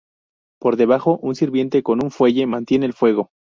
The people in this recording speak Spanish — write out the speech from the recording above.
Por debajo, un sirviente con un fuelle mantiene el fuego.